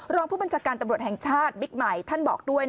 รองผู้บัญชาการตำรวจแห่งชาติบิ๊กใหม่ท่านบอกด้วย